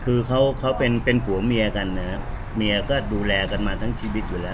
คือเขาเขาเป็นเป็นผัวเมียกันนะครับเมียก็ดูแลกันมาทั้งชีวิตอยู่แล้ว